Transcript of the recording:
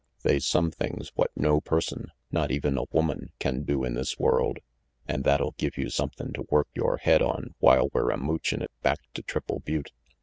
They's some things what no person, not even a woman, can do in this world, an' that'll give you somethin' to work yore head on while we're a moochin' it back to Triple Butte.